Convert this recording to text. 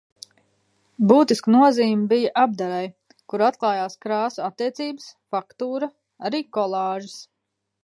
Būtiska nozīme bija apdarei, kur atklājās krāsu attiecības, faktūra, arī kolāžas.